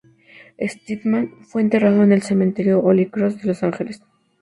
Stedman fue enterrado en el Cementerio Holy Cross de Los Ángeles.